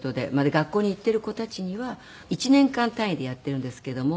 学校に行っている子たちには１年間単位でやっているんですけども。